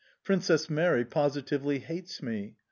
Princess Mary positively hates me.